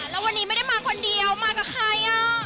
แล้ววันนี้ไม่ได้มาคนเดียวมากับใคร